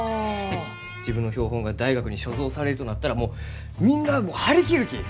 自分の標本が大学に所蔵されるとなったらもうみんなあも張り切るき！